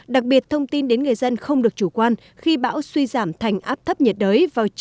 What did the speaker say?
đặc biệt thông tin đến người dân không được chủ quan khi bão suy giảm thành áp thấp nhiệt đới